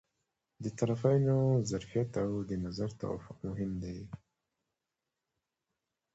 د طرفینو ظرفیت او د نظر توافق مهم دي.